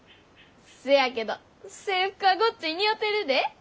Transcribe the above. せやけど制服はごっつい似合てるで。